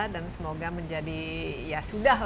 dan semoga menjadi ya sudah